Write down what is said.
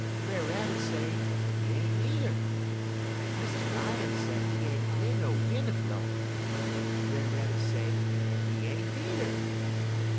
Brer Rabbit say he ain't needer. Mr. Lion say he ain't year no win' a blowin'. Brer Rabbit say he ain't needer.